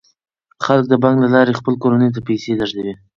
خلک د بانک له لارې خپلو کورنیو ته پیسې لیږدوي.